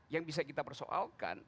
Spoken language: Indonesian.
yang bisa kita persoalkan